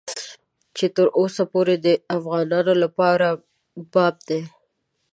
چې تر اوسه پورې د افغانانو لپاره باب دی.